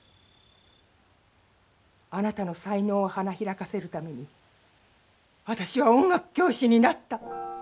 あなたの才能を花開かせるために私は音楽教師になった。